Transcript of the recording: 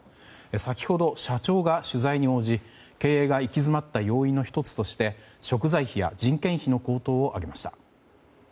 先ほど、社長が取材に応じ経営が行き詰まった要因の１つとして食材費や人件費の高騰を挙げました。